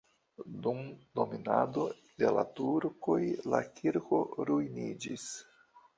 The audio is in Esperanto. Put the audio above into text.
Dum dominado de la turkoj la kirko ruiniĝis.